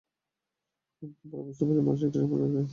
কিন্তু পরে বুঝতে পারেন, মানুষ এটা সামরিক রীতি মনে করতে পারে।